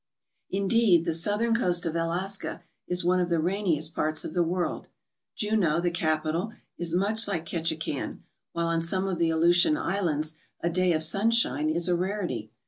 Indeed, the southern coast of Alaska is one of the rainiest parts of the world. Juneau, the capital, is much like Ketchikan, while on some of the Aleutian Islands a day of sunshine is a rarity.